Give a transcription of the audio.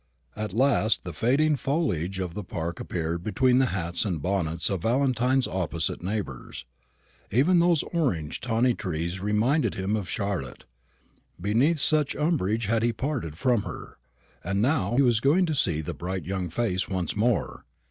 At last the fading foliage of the Park appeared between the hats and bonnets of Valentine's opposite neighbours. Even those orange tawny trees reminded him of Charlotte. Beneath such umbrage had he parted from her. And now he was going to see the bright young face once more.